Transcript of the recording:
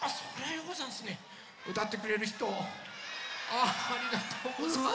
あありがとうござんす。